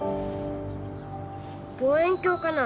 望遠鏡かな？